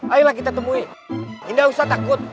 ayolah kita temui ini tidak usah takut